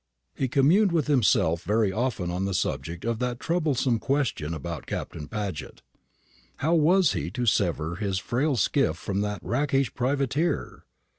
He communed with himself very often on the subject of that troublesome question about Captain Paget. How was he to sever his frail skiff from that rakish privateer?